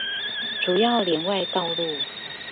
主要聯外道路